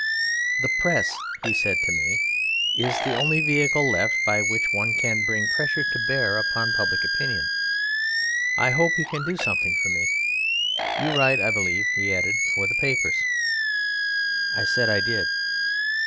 "The Press," he said to me, "is the only vehicle left by which one can bring pressure to bear upon public opinion. I hope you can do something for me.... You write, I believe", he added, "for the papers?" I said I did.